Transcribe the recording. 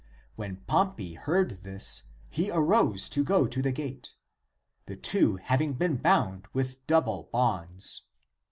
When Pompey heard this, he arose to go to the gate, the two having been bound with double bonds.